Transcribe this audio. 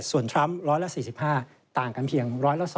ส่วนทรัมป์๑๐๐และ๔๕ต่างกันเพียง๑๐๐และ๒